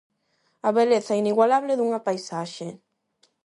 A beleza inigualable dunha paisaxe.